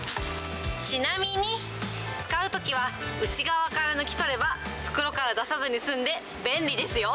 ちなみに、使うときは内側から抜き取れば、袋から出さずに済んで便利ですよ。